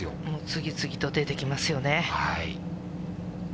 次々と出てきますよね。